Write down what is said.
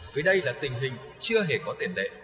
vì đây là tình hình chưa hề có tiền lệ